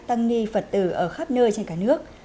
tăng ni phật tử ở khắp nơi trên cả nước